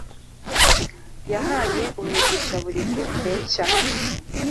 yahaye umugisha buri couple nshya